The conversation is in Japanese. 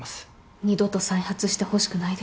二度と再発してほしくないですね。